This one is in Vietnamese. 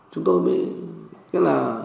chúng tôi mới